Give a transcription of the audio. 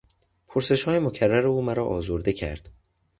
پرسشهای مکرر او مرا آزرده کرد.